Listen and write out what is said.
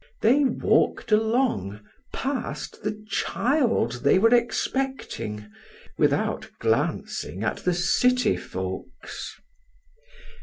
They walked along, passed the child they were expecting, without glancing at the "city folks."